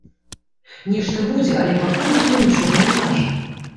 Нешта будзе, але пакуль ніхто нічога не кажа.